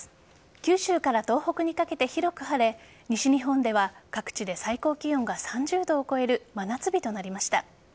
九州から東北にかけて広く晴れ西日本では各地で最高気温が３０度を超える真夏日となりました。